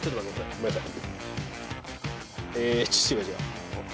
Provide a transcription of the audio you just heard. ごめんなさい。